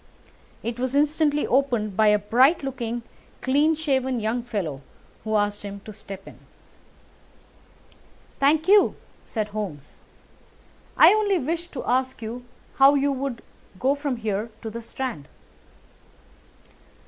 It was instantly opened by a bright looking, clean shaven young fellow, who asked him to step in. "Thank you," said Holmes, "I only wished to ask you how you would go from here to the Strand."